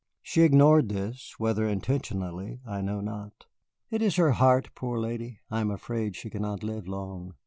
She ignored this, whether intentionally, I know not. "It is her heart, poor lady! I am afraid she cannot live long."